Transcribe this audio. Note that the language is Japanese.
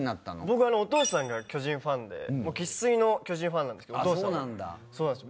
僕はお父さんが巨人ファンで生粋の巨人ファンなんですけどお父さんは。